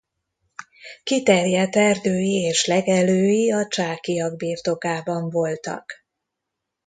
Kiterjedt erdői és legelői a Csákyak birtokában voltak.